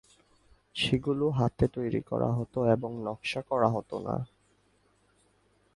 সেগুলো হাতে তৈরি করা হতো এবং নকশা করা হতো না।